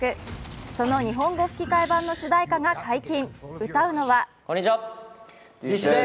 その日本語吹き替え版の主題歌が解禁。